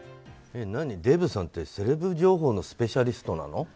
デーブさんってセレブ情報のスペシャリストなの？